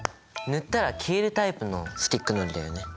塗ったら消えるタイプのスティックのりだよね。